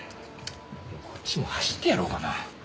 こっちも走ってやろうかな。